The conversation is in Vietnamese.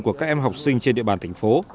của các em học sinh trên địa bàn thành phố